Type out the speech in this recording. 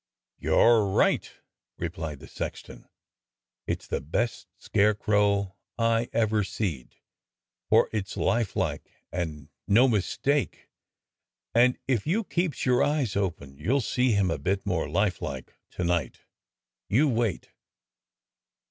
"You're right," replied the sexton; "it's the best scarecrow I ever seed, for it's lifelike and no mistake, and if you keeps your eyes open you'll see him a bit more lifelike to night — you wait."